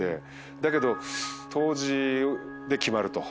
だけど杜氏で決まると。